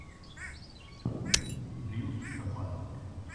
Ryuji Kawai